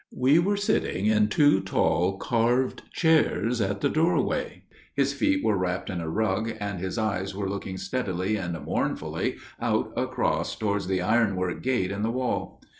We were sitting in two tall carved chairs at the doorway, his feet were wrapped in a rug, and his eyes were looking steadily and mournfully out across towards the iron work gate in the wall.